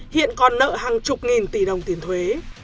hiện còn nợ hàng chục nghìn tỷ đồng tiền thuế